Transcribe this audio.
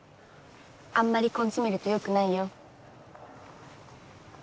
あんまり根詰めるとよくないよ。